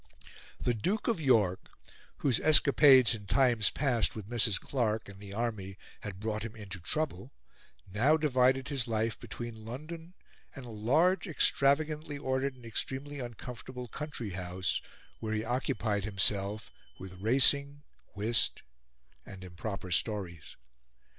The Duke of York, whose escapades in times past with Mrs. Clarke and the army had brought him into trouble, now divided his life between London and a large, extravagantly ordered and extremely uncomfortable country house where he occupied himself with racing, whist, and improper stories.